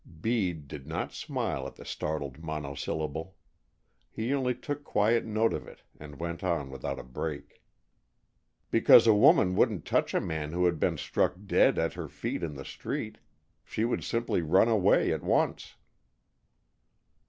Bede did not smile at the startled monosyllable. He only took quiet note of it, and went on without a break, " because a woman wouldn't touch a man who had been struck dead at her feet in the street. She would simply run away at once."